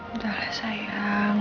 udah lah sayang